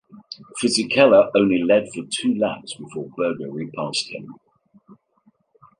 Fisichella only led for two laps before Berger repassed him.